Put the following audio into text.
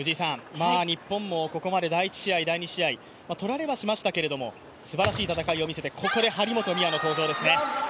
日本もここまで第１試合、第２試合、取られはしましたけどすばらしい戦いを見せて、ここで張本美和の登場ですね。